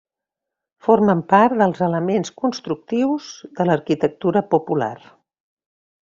Formen part dels elements constructius de l'arquitectura popular.